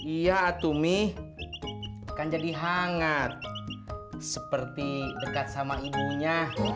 iya atumi kan jadi hangat seperti dekat sama ibunya